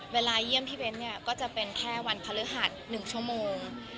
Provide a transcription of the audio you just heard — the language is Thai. เวลาเยี่ยมพี่เบนเนี้ยก็จะเป็นแค่วันภรรยหัสหนึ่งชั่วโมง